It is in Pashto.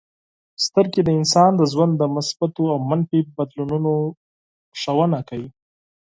سترګې د انسان د ژوند د مثبتو او منفي بدلونونو ښودنه کوي.